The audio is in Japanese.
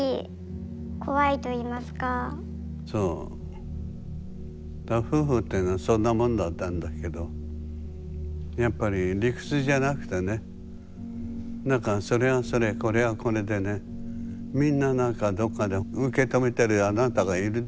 そう夫婦っていうのはそんなもんだったんだけどやっぱり理屈じゃなくてね何かそれはそれこれはこれでねみんな何かどっかで受け止めてるあなたがいるでしょ。